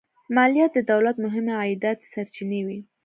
مالیات د دولت مهمې عایداتي سرچینې وې.